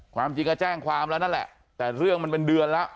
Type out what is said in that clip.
ความจริงก็แจ้งความแล้วนั่นแหละแต่เรื่องมันเป็นเดือนแล้ว